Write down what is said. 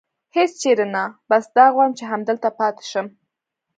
هېڅ چېرې نه، بس دا غواړم چې همدلته پاتې شم.